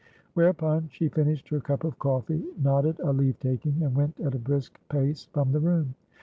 Whereupon, she finished her cup of coffee, nodded a leave taking, and went at a brisk pace from the room.